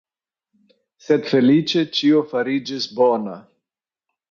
Sed feliĉe, ĉio fariĝis bona.